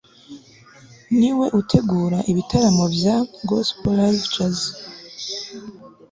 ni we utegura ibitaramo bya ''gospel live jazz